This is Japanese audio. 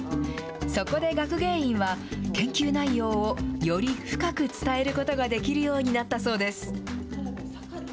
そこで学芸員は、研究内容をより深く伝えることができるようになったそうです。